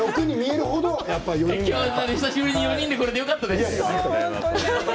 久しぶりに４人で来られてよかったです。